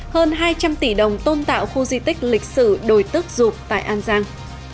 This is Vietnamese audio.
hơn hai trăm linh tỷ đồng tôn tạo khu di tích lịch sử đồi tức dục tại an giang